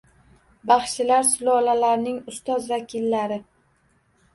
Baxshilar sulolalarining ustoz vakillari